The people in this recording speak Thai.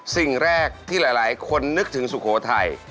สิ่งแรกที่หลายคนนึกถึงสุโขทัย